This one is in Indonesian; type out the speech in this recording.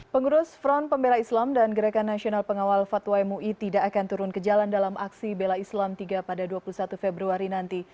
pengurus front pembela islam dan gerakan nasional pengawal fatwa mui tidak akan turun ke jalan dalam aksi bela islam tiga pada dua puluh satu februari nanti